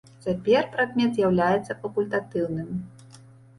Цяпер прадмет з'яўляецца факультатыўным.